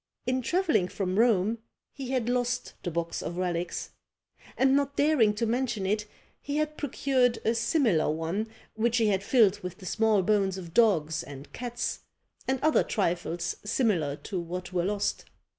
In travelling from Rome he had lost the box of relics; and not daring to mention it, he had procured a similar one, which he had filled with the small bones of dogs and cats, and other trifles similar to what were lost.